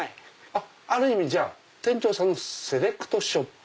ある意味店長さんのセレクトショップ。